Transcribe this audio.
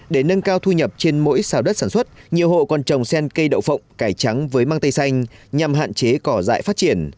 để nâng cao thu nhập trên mỗi xào đất sản xuất nhiều hộ còn trồng sen cây đậu phộng cải trắng với mang tây xanh nhằm hạn chế cỏ dại phát triển